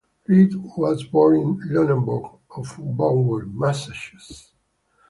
Reed was born in Lunenburg or Woburn, Massachusetts.